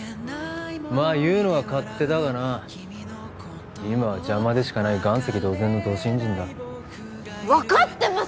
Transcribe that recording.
まあ言うのは勝手だがな今は邪魔でしかない岩石同然のド新人だ分かってます